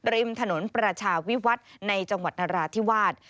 ริมถนนประชาวิวัฒน์ในจังหวัดนราธิวาส